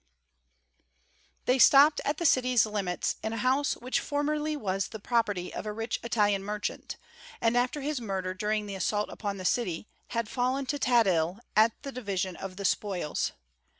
XVI They stopped at the city's limits in a house which formerly was the property of a rich Italian merchant, and after his murder during the assault upon the city, had fallen to Tadhil at the division of the spoils.